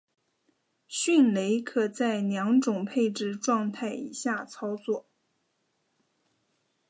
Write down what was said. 迅雷可在两种配置状态以下操作。